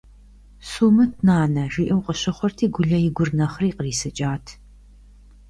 «Сумыт, нанэ!», – жиӀэу къыщыхъурти, Гулэ и гур нэхъри кърисыкӀат.